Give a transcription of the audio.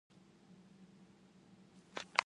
Menurut ramalan cuaca, besok siang akan turun hujan.